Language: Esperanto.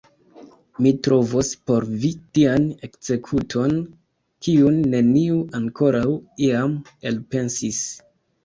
Mi trovos por vi tian ekzekuton, kiun neniu ankoraŭ iam elpensis!